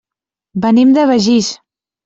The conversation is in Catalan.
Venim de Begís.